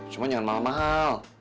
cuma jangan mahal mahal